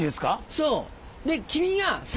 そう。